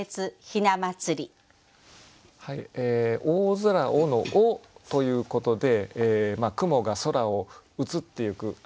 「大空を」の「を」ということで雲が空を移っていく。